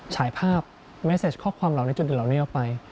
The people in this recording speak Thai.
ฉายภาพเมสเซจข้อความของเราในจุดเด่นเหล่านี้เอาไป